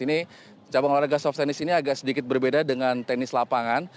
ini cabang olahraga soft tennis ini agak sedikit berbeda dengan tenis lapangan